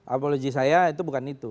apologi saya itu bukan itu